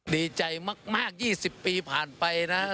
ดีใจมาก๒๐ปีผ่านไปนะ